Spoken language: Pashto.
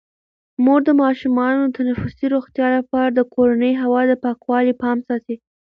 مور د ماشومانو د تنفسي روغتیا لپاره د کورني هوا د پاکوالي پام ساتي.